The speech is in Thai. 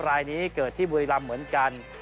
รายนี้เกิดที่บุรีรำเหมือนกัน